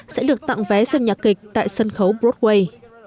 sẽ được tặng vé xem nhạc kịch tại sân khấu broadway